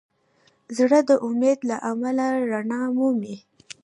زړه د امید له امله رڼا مومي.